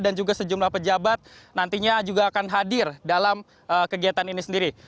dan juga sejumlah pejabat nantinya juga akan hadir dalam kegiatan ini sendiri